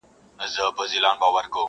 خو درد لا پاتې وي ډېر,